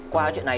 qua chuyện này